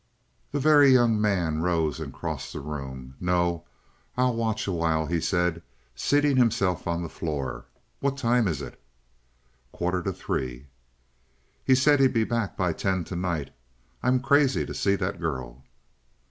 The Very Young Man rose and crossed the room. "No, I'll watch a while," he said, seating himself on the floor. "What time is it?" "Quarter to three." "He said he'd be back by ten to night. I'm crazy to see that girl."